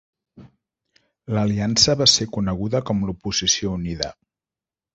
L'aliança va ser coneguda com l'Oposició Unida.